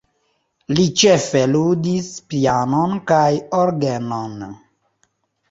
Li ĉefe ludis pianon kaj orgenon.